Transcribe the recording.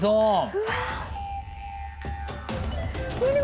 うわ。